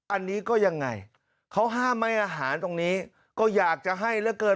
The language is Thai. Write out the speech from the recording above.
อันนี้ก็ยังไงเขาห้ามให้อาหารตรงนี้ก็อยากจะให้เหลือเกิน